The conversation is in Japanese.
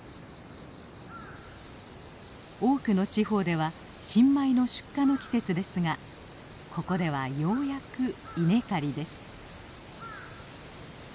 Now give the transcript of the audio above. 多くの地方では新米の出荷の季節ですがここではようやく稲刈りです。